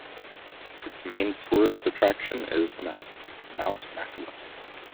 Its main tourist attraction is the mountain, Mount Maculot.